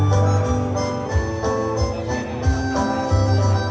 สักวันอ่ะก่อนฝั่งถัด